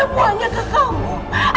kurangnya aku tuh apa